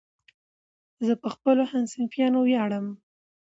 زه په خپلو همصنفیانو ویاړم.